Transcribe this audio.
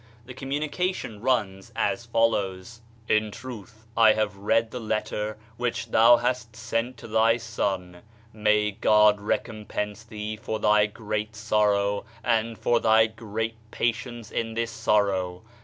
The communication runs as follows: "In truth I have read the letter which thou hast sent to thy son. May God recompense thee for thy great sorrow, and for thy great pa tience in this sorrow!